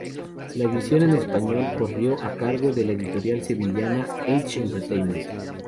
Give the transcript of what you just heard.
La edición en español corrió a cargo de la editorial sevillana Edge Entertainment.